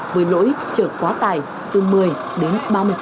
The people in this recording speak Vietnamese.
với lỗi chở quá tải từ một mươi đến ba mươi